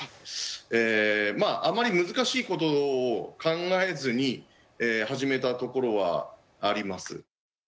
えまああまり難しいことを考えずに始めたところはあります。